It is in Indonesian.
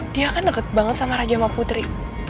dia kan deket banget sama raja sama putri